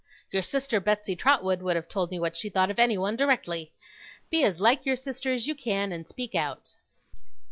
Your sister Betsey Trotwood would have told me what she thought of anyone, directly. Be as like your sister as you can, and speak out!